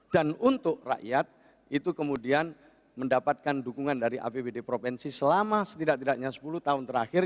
dan untuk rakyat itu kemudian mendapatkan dukungan dari apbd provinsi selama setidak tidaknya sepuluh tahun terakhir